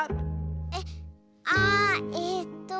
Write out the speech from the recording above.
えっあえっと。